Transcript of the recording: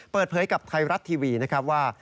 เปิดเผยกับไทยรัฐทีวีนะครับว่า